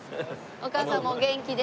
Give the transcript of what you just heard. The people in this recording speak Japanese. お母さんもお元気で。